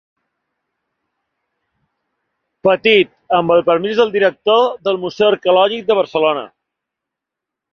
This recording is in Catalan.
Petit, amb el permís del Director del Museu Arqueològic de Barcelona.